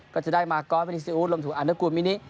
ก็จะได้มาก้อนเป็นอิสิอุลมถูกอันดับกลุ่มมินิ